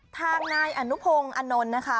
ทางนายอนุพงศ์อนนท์นะคะ